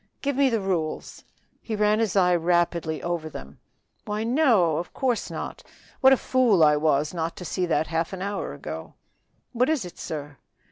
"Give me the rules." He ran his eye rapidly over them. "Why, no! of course not, what a fool I was not to see that half an hour ago." "What is it, sir?"